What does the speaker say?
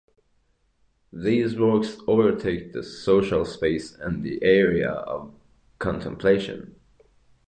These works overtake the social space and the area of contemplation.